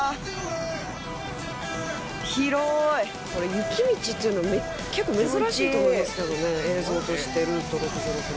雪道っていうの結構珍しいと思いますけどね映像としてルート６６の。